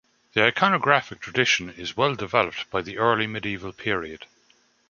The iconographic tradition is well developed by the early medieval period.